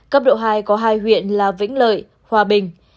cấp độ hai có hai huyện là vĩnh lợi hòa bình